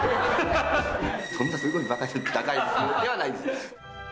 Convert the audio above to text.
そんなすごい高い車ではないです。